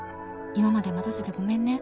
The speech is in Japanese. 今まで待たせてごめんね！